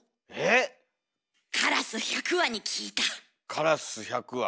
カラス１００羽。